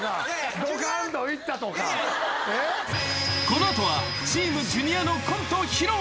［この後はチームジュニアのコントを披露］